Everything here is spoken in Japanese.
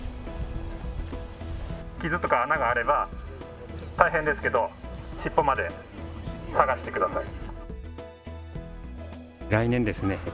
傷とか穴があれば大変ですけど尻尾まで探してください。